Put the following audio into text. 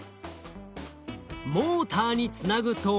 モーターにつなぐと。